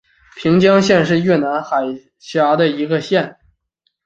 平江县是越南海阳省下辖的一个县。